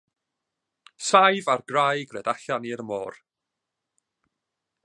Saif ar graig red allan i'r môr.